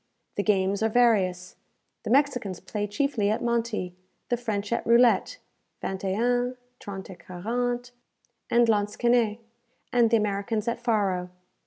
The games are various. The Mexicans play chiefly at monti; the French at roulette, vingt et un, trente et quarante, and lansquenet; and the Americans at faro.